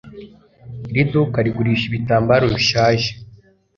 Iri duka rigurisha ibitabo bishaje